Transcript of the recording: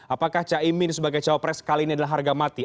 apakah caimin sebagai cawapres kali ini adalah harga mati